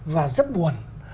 và rất buồn